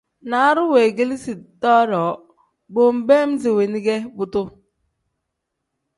Naaru weegeleezi too-ro bo nbeem isi weeni ge buduu.